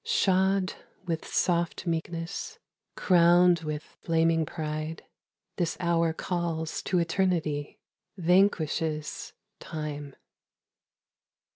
Shod with soft meekness Crowned with flaming pride, This hour calls to Eternity, Vanquishes Time.